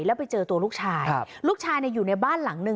แล้วไปเจอตัวลูกชายลูกชายอยู่ในบ้านหลังนึง